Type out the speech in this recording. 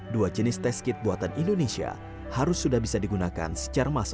dua jenis test kit buatan indonesia harus sudah bisa digunakan secara massal